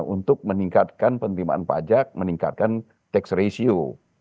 untuk meningkatkan penerimaan pajak meningkatkan tax ratio